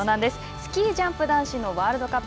スキージャンプ男子のワールドカップ。